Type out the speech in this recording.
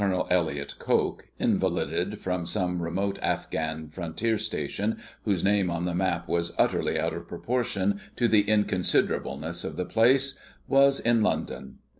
Elliott Coke, invalided from some remote Afghan frontier station whose name on the map was utterly out of proportion to the inconsiderableness of the place, was in London.